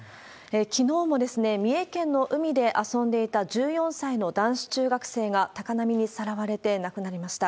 きのうも三重県の海で遊んでいた１４歳の男子中学生が、高波にさらわれて亡くなりました。